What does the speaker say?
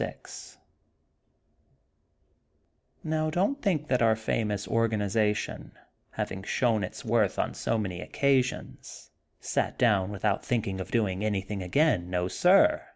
VI Now don't think that our famous Organization, having shown its worth on so many occasions, sat down without thinking of doing anything again. No, sir!